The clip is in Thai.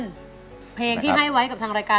ใช้ค่ะใช้ค่ะ